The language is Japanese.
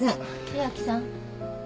・千明さん。